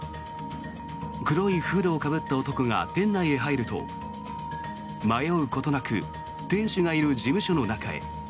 黒いフードをかぶった男が店内へ入ると迷うことなく店主がいる事務所の中へ。